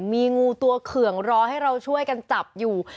มีงูตัวเขื่องรอให้เราช่วยกันจับอยู่